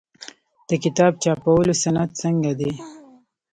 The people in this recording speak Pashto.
د کتاب چاپولو صنعت څنګه دی؟